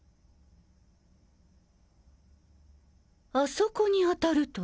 あそこに当たると？